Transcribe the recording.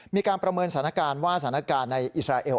มีการประเมินสถานการณ์ว่าสถานการณ์ในอิสราเอล